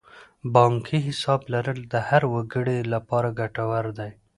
بانکي حساب لرل د هر وګړي لپاره ګټور دی.